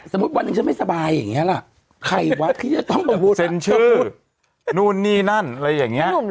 สมมุติวันหนึ่งฉันไม่สบายอย่างเงี้ยล่ะ